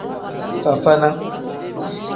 Fafana.